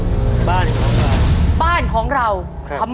เรื่องบ้านของเราเรื่องตายอรไทย